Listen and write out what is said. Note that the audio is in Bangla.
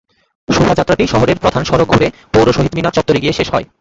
শোভাযাত্রাটি শহরের প্রধান সড়ক ঘুরে পৌর শহীদ মিনার চত্বরে গিয়ে শেষ হয়।